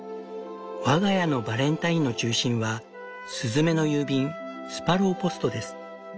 「我が家のバレンタインの中心はスズメの郵便スパローポストです。